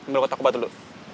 bawa kotak kubat dulu